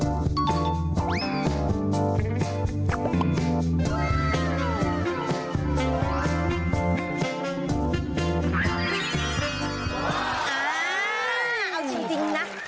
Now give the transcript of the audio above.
อ้าเอาจริงจริงนะ